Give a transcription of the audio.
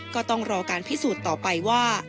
ก็ต้องรอการพิสูจน์ต่อไปว่า